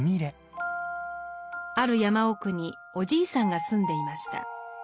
ある山奥におじいさんが住んでいました。